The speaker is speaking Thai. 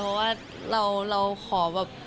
เพราะว่าเราขอแบบ